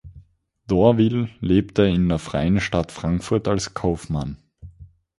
D’Orville lebte in der Freien Stadt Frankfurt als Kaufmann.